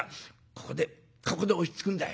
ここでここで落ち着くんだ。